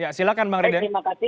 ya silakan bang riden